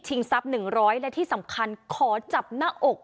ทรัพย์๑๐๐และที่สำคัญขอจับหน้าอก